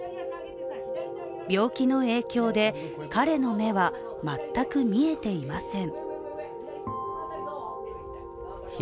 病気の影響で、彼の目は全く見えていません。